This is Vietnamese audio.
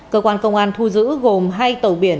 cơ quan công an thu giữ gồm hai tàu biển